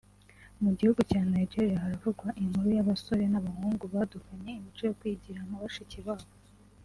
Mu gihugu cya Nigeria haravugwa inkuru y’abasore n’abahungu badukanye imico yo kwigira nka bashiki babo